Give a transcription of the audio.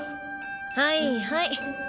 はいはい。